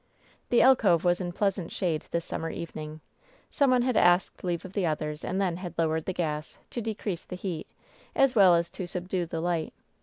The alcove was in pleasant shade this summer eve ning. Some one had asked leave of the others, and then had lowered the gas, to decrease the heat, as well as to subdue the light.